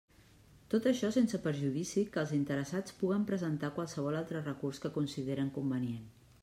Tot això sense perjudici que els interessats puguen presentar qualsevol altre recurs que consideren convenient.